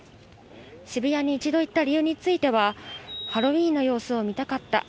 渋谷に一度行った理由については、ハロウィーンの様子を見たかった。